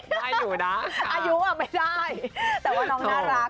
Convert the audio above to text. ได้อยู่นะอายุอ่ะไม่ใช่แต่ว่าน้องน่ารัก